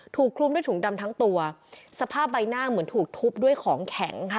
คลุมด้วยถุงดำทั้งตัวสภาพใบหน้าเหมือนถูกทุบด้วยของแข็งค่ะ